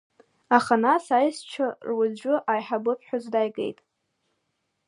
Аха нас аишьцәа руаӡәы аиҳабы ԥҳәыс дааигеит.